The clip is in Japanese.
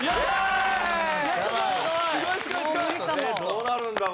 どうなるんだ？